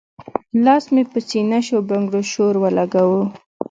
لاس مې پۀ سينه شو بنګړو شور اولګوو